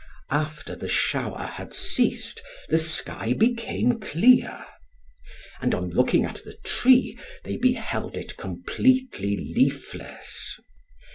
After the shower had ceased, the sky became clear. And on looking at the tree, they beheld it completely leafless.